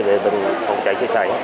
về phòng cháy chữa cháy